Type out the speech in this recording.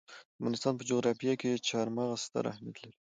د افغانستان په جغرافیه کې چار مغز ستر اهمیت لري.